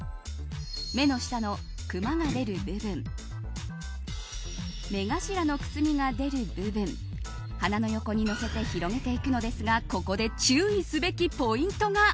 目の下のクマが出る部分目頭のくすみが出る部分鼻の横にのせて広げていくのですがここで注意すべきポイントが。